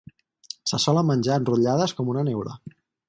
Se solen menjar enrotllades com una neula.